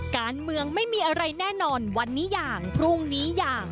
การเมืองไม่มีอะไรแน่นอนวันนี้อย่างพรุ่งนี้อย่าง